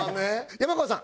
山川さん